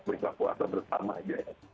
berikan puasa bersama aja ya